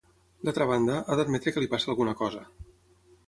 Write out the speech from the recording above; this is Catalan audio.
D'altra banda, ha d'admetre que li passa alguna cosa.